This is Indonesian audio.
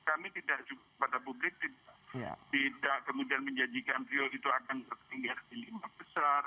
kami tidak pada publik tidak kemudian menjanjikan rio itu akan tertinggiar di lima besar